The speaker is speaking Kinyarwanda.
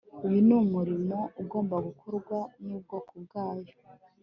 Uyu ni umurimo ugomba gukorwa nubwoko bwayo